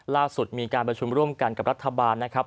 ล่าสุดมีการประชุมร่วมกันกับรัฐบาลนะครับ